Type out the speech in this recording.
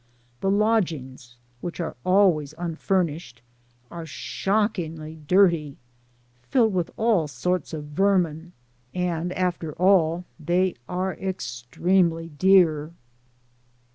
The lodgings, which are always unfurnished, are shockingly dirty, filled with all sorts of vermin; and, after all, they are extremely dear.